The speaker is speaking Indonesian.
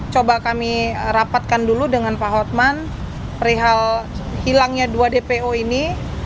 coba kami rapatkan dulu dengan pak hotman perihal hilangnya dua dpo ini